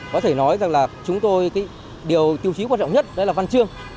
có thể nói rằng là chúng tôi điều tiêu chí quan trọng nhất đó là văn chương